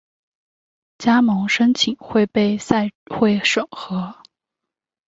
加盟申请会被赛会审核。